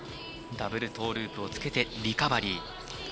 ダブルトーループをつけてリカバリー。